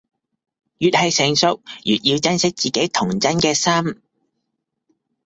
越係成熟，越要珍惜自己童真嘅心